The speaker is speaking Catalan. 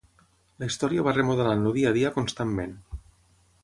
La història va remodelant el dia a dia constantment.